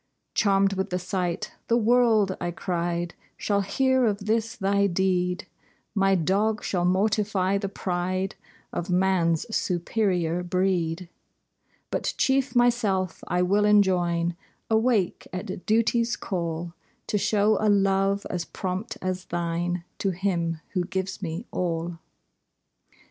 Charmed with the sight, "The world," I cried, "Shall hear of this thy deed; My dog shall mortify the pride Of man's superior breed: "But chief myself I will enjoin Awake at duty's call, To show a love as prompt as thine To Him who gives me all."